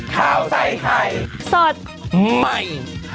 โปรดติดตามตอนต่อไป